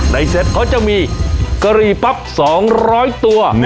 เซตเขาจะมีกะหรี่ปั๊บ๒๐๐ตัว